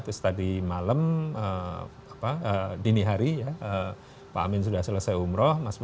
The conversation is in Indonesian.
terus tadi malam dini hari ya pak amin sudah selesai umroh